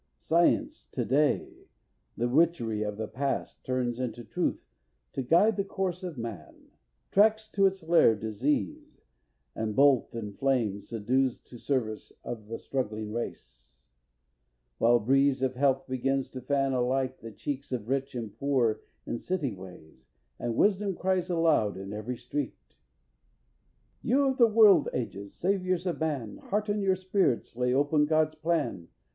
Science, to day, the witchery of the past Turns into truth to guide the course of man, Tracks to its lair disease, and bolt and flame Subdues to service of the struggling race; While breeze of health begins to fan alike The cheeks of rich and poor in city ways, And wisdom cries aloud in every street." _You of the world ages, Saviors of man, Hearten your spirits, Lay open God's plan.